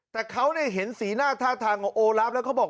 แต่เขาเห็นสีหน้าท่าทางของโอลาฟแล้วเขาบอก